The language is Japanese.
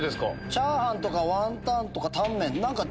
チャーハンワンタンタンメン